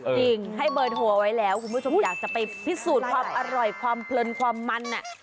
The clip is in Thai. ให้เบอร์โทรไว้แล้วคุณผู้ชมอยากจะไปพิสูจน์ความอร่อยความเพลินความมัน